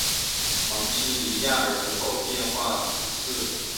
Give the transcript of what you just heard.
芒西尼亚克人口变化图示